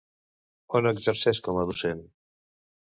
On exerceix com a docent?